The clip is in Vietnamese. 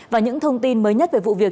và những thông tin mới nhất về vụ việc